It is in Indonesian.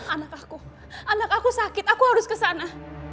anak aku anak aku sakit aku harus ke sana